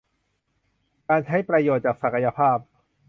การใช้ประโยชน์จากศักยภาพ